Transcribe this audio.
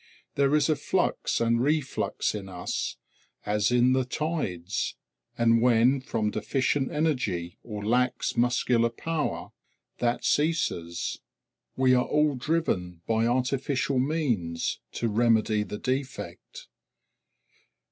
There is a flux and reflux in us, as in the tides, and when, from deficient energy or lax muscular power, that ceases, we are all driven by artificial means to remedy the defect.